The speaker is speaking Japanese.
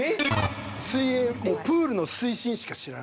水泳もうプールの水深しか知らないんです。